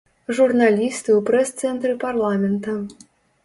Журналісты ў прэс-цэнтры парламента.